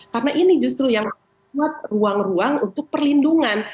karena ini justru yang membuat ruang ruang untuk perlindungan